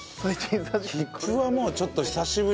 切符はもうちょっと久しぶり。